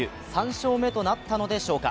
３勝目となったのでしょうか。